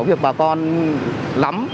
việc bà con lắm